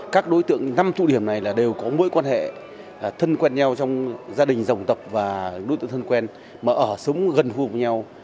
các đối tượng năm thủ điểm này đều có mối quan hệ thân quen nhau trong gia đình dòng tập và đối tượng thân quen mà ở sống gần phù hợp với nhau